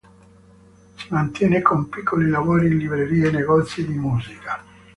Si mantiene con piccoli lavori in librerie e negozi di musica.